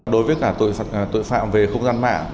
đối với cả tội phạm về không gian mạng